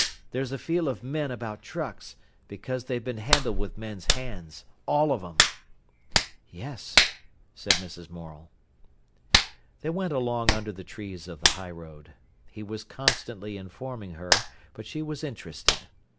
There's a feel of men about trucks, because they've been handled with men's hands, all of them." "Yes," said Mrs. Morel. They went along under the trees of the highroad. He was constantly informing her, but she was interested.